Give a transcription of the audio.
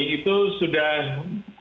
itu sudah kembali